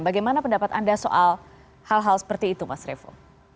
bagaimana pendapat anda soal hal hal seperti itu mas revo